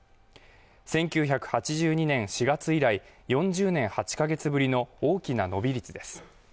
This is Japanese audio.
１９８２年４月以来４０年８か月ぶりの大きな伸び率です